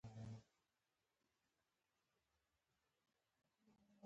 د افغانستان د اقتصادي پرمختګ لپاره پکار ده چې اړیکې پراخې شي.